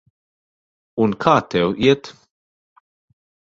Un kā tev iet?